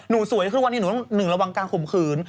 นุสวยทุกวันเนี่ยหนึ่งเรารองการขมขืน